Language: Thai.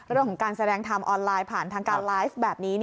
เรื่องของการแสดงทำออนไลน์ผ่านทางการไลฟ์แบบนี้